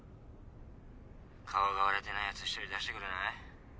顔が割れてないやつ１人出してくれない？